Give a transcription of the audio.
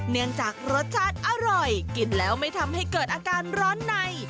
เนื่องจากรสชาติอร่อยกินแล้วไม่ทำให้เกิดอาการร้อนใน